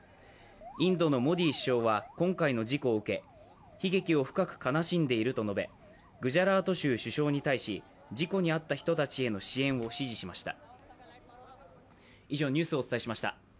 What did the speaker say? インドのモディ首相は今回の事故を受け悲劇を深く悲しんでいると述べ、グジャラート州首相に対し事故に遭った人たちへの支援を指示しました。